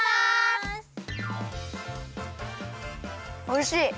おいしい！